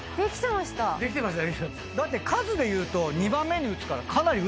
だって数でいうと２番目に打つからかなり打ってる。